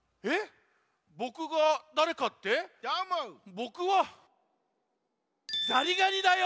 ボクはザリガニだよ。